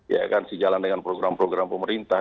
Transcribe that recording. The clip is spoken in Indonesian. ya kan si jalan dengan program program pemerintah